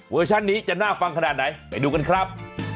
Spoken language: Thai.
ชันนี้จะน่าฟังขนาดไหนไปดูกันครับ